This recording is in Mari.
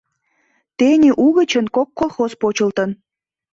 Тений угычын кок колхоз почылтын.